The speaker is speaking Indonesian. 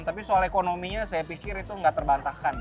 tapi soal ekonominya saya pikir itu nggak terbantahkan